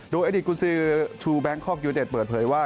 โดยเอดิตกุศิทรูแบงค์คอกยูเนตเต็ดเปิดเผยว่า